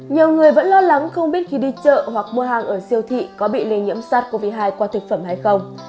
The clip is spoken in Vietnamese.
nhiều người vẫn lo lắng không biết khi đi chợ hoặc mua hàng ở siêu thị có bị lây nhiễm sars cov hai qua thực phẩm hay không